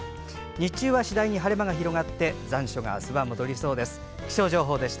日中は次第に晴れ間が広がって残暑が明日は戻りそうです。